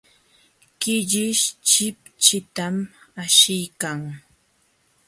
Killish chipchitam ashiykan.